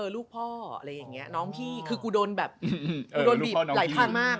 แล้วน้องพี่เพราะกูโดนบีบหลายทางมาก